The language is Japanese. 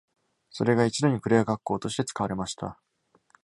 それが一度にクレア学校として使われました。